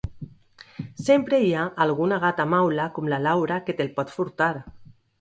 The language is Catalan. Sempre hi ha alguna gata maula com la Laura que te’l pot furtar.